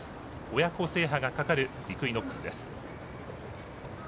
親子制覇がかかるイクイノックスです。